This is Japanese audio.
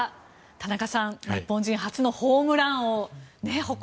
田中さん日本人初のホームラン王。